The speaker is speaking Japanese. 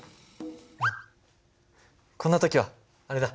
こんな時はあれだ。